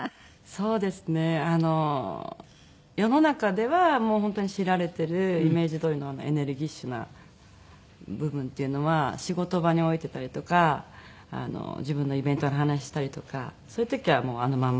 そうですねあの世の中では本当に知られてるイメージどおりのエネルギッシュな部分っていうのは仕事場においてだったりとか自分のイベントの話したりとかそういう時はあのまんまですね。